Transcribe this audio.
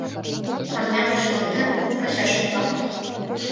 Парням шӱвылтен, кум пачаш шотла.